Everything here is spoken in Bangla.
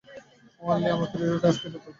ওয়ানলি, আমাকে রেডিও ট্রান্সমিটার দাও।